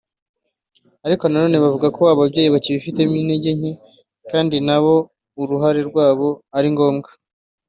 ariko nanone bavuga ko ababyeyi bakibifitemo intege nke kandi na bo uruhare rwabo ari ngombwa